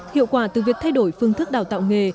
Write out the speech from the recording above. hiệu quả từ việc thay đổi phương thức đào tạo nghề